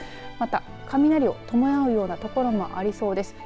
また雷を伴うような所もありそうです。